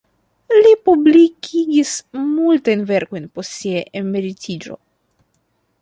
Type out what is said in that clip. Li publikigis multajn verkojn post sia emeritiĝo.